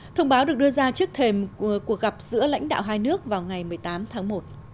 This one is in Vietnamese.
thông báo được đưa ra trước thềm của gặp giữa lãnh đạo hai nước vào ngày một mươi tám tháng một